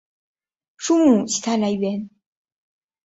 书目其它来源